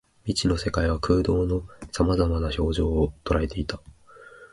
未知の世界は空洞の様々な表情を捉えていた